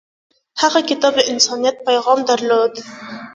هغه کتاب د انسانیت پیغام درلود.